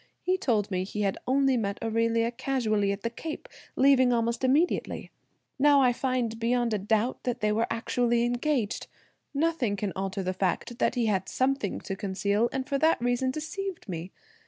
He told me he had only met Aurelia casually at the Cape, leaving almost immediately; now I find beyond a doubt, that they were actually engaged. Nothing can alter the fact that he had something to conceal and for that reason deceived me.